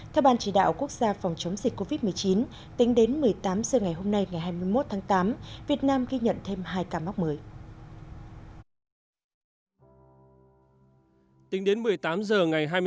theo ban chỉ đạo quốc gia phòng chống dịch covid một mươi chín tính đến một mươi tám h ngày hôm nay ngày hai mươi một tháng tám việt nam ghi nhận thêm hai ca mắc mới